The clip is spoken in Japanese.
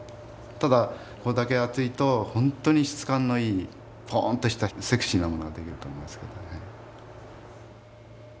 ただこれだけ厚いと本当に質感のいいポンとしたセクシーなものが出来ると思いますけどね。